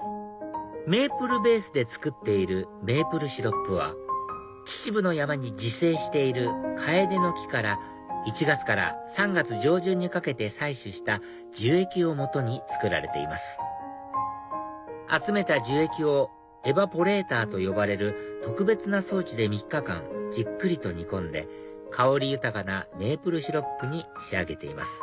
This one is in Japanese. ＭＡＰＬＥＢＡＳＥで作っているメープルシロップは秩父の山に自生しているカエデの木から１月から３月上旬にかけて採取した樹液をもとに作られています集めた樹液をエバポレーターと呼ばれる特別な装置で３日間じっくりと煮込んで香り豊かなメープルシロップに仕上げています